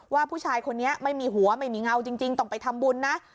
ว่าผู้ชายคนนี้ไม่มีหัวไม่มีเงาจริงต้องไปทำบุญนะ